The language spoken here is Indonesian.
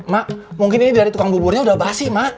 mak mungkin ini dari tukang buburnya udah basi mak